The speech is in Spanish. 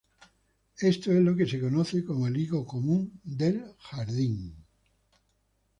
Esto es lo que se conoce como el higo común del jardín..